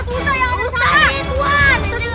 kalian dengar sesuatu